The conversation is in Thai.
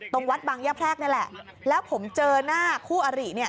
วัดบางย่าแพรกนี่แหละแล้วผมเจอหน้าคู่อริเนี่ย